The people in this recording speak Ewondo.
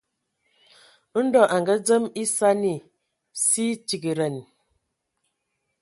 Ndɔ a ngadzem esani, sie tigedan.